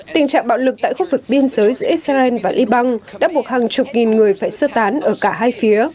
tình trạng bạo lực tại khu vực biên giới giữa israel và liban đã buộc hàng chục nghìn người phải sơ tán ở cả hai phía